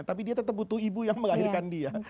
tapi dia tetap butuh ibu yang melahirkan dia